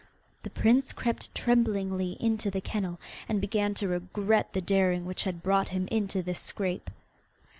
The prince crept tremblingly into the kennel, and began to regret the daring which had brought him into this scrape.